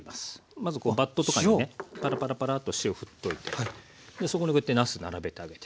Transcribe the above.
まずバットとかにねパラパラパラッと塩をふっといてそこにこうやってなす並べてあげて。